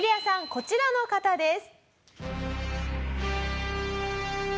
こちらの方です。